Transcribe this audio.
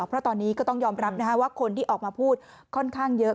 เพราะตอนนี้ก็ต้องยอมรับว่าคนที่ออกมาพูดค่อนข้างเยอะ